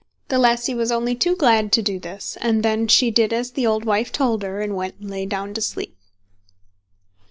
The lassie was only too glad to do this, and then she did as the old wife told her, and went and lay down to sleep.